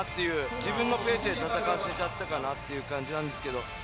自分のペースで戦わせちゃったかなという感じです。